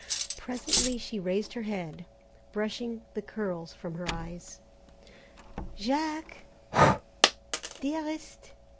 Presently she raised her head, brushing the curls from her eyes. "Jack?" "Dearest?"